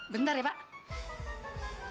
bentar ya pak